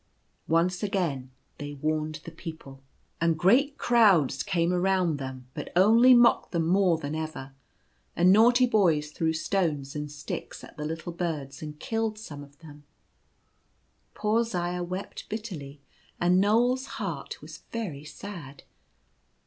Once again they warned the people, and great crowds The Scoffer stricken. 6 1 came around them, but only mocked them more than ever ; and naughty boys threw stones and sticks at the little birds and killed some of them. Poor Zaya wept bitterly, and Knoal's heart was very sad.